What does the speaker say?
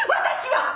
私は！